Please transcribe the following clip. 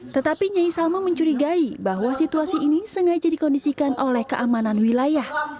tetapi nyai salma mencurigai bahwa situasi ini sengaja dikondisikan oleh keamanan wilayah